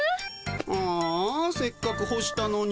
ああせっかく干したのに。